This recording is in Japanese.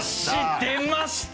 出ました。